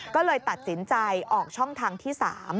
ก็เลยตัดสินใจออกช่องทางที่๓